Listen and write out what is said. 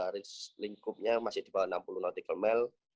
range lingkupnya masih di bawah enam puluh nautical mil